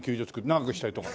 長くしたりとか。